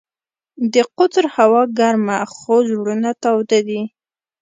د قطر هوا ګرمه خو زړونه تاوده دي.